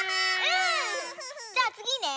じゃあつぎね。